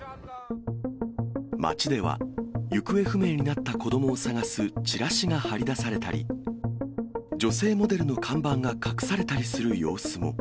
町では、行方不明になった子どもを捜すチラシが貼り出されたり、女性モデルの看板が隠されたりする様子も。